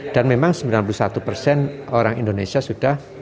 dan memang sembilan puluh satu orang indonesia sudah di asumsi